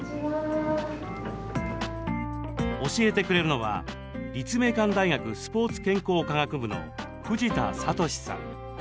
教えてくれるのは立命館大学スポーツ健康科学部の藤田聡さん。